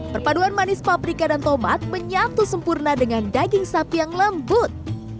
perpaduan manis paprika dan tomat menyatu sempurna dengan daging sapi yang lembut